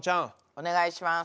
お願いします。